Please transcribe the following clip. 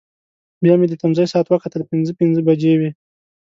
بیا مې د تمځای ساعت وکتل، پنځه پنځه بجې وې.